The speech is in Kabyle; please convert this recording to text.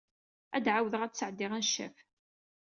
Ad ɛawdeɣ ad d-sɛeddiɣ aneccaf.